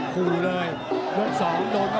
ตามต่อยกที่สองครับ